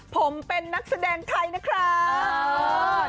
ผมเป็นนักแสดงไทยนะครับ